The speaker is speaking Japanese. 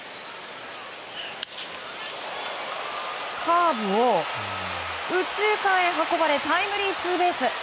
カーブを右中間へ運ばれタイムリーツーベース。